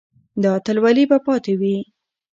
دا اتلولي به پاتې وي.